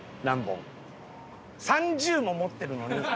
３０も持ってるのに。